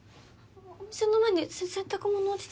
お店の前に洗濯物落ちて。